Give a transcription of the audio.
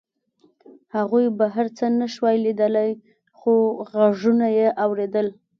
هغوی بهر څه نشوای لیدلی خو غږونه یې اورېدل